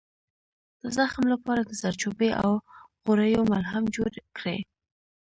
د زخم لپاره د زردچوبې او غوړیو ملهم جوړ کړئ